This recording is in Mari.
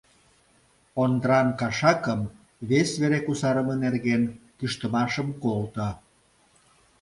Ондран кашакым вес вере кусарыме нерген кӱштымашым колто.